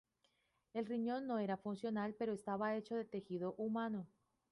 El riñón no era funcional, pero estaba hecho de tejido humano.